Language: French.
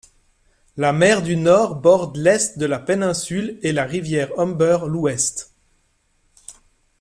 La mer du Nord borde l’est de la péninsule, et la rivière Humber l’ouest.